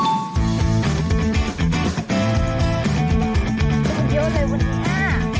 เนวเลยกว่านี้ค่ะ